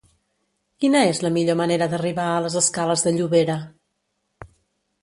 Quina és la millor manera d'arribar a la escales de Llobera?